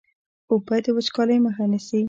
اوبه د وچکالۍ مخه نیسي.